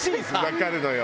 わかるのよ。